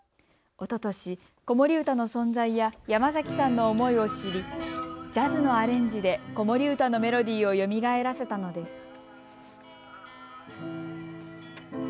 おととし、子守歌の存在や山崎さんの思いを知りジャズのアレンジで子守歌のメロディーをよみがえらせたのです。